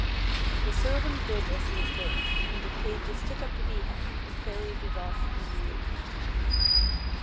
The servant did as he was bid, and the pages took up the beehive, and carried it off in state.